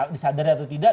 disadari atau tidak